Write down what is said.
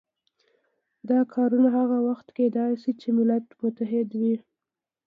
دا کارونه هغه وخت کېدای شي چې ملت متحد وي.